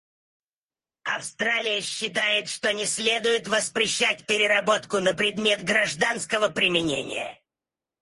Австралия считает, что не следует воспрещать переработку на предмет гражданского применения.